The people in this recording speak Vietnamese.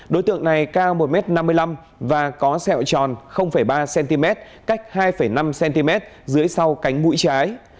đối tượng này cao một m năm mươi năm và có sẹo tròn ba cm cách hai năm cm dưới sau cánh mũi trái